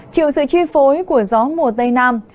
trừ sự chi phối của gió mùa tây nam